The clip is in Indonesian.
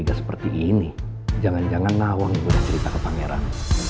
tapi ini jangan jangan nawang yang bercerita ke pangeran